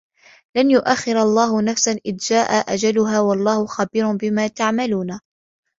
وَلَن يُؤَخِّرَ اللَّهُ نَفسًا إِذا جاءَ أَجَلُها وَاللَّهُ خَبيرٌ بِما تَعمَلونَ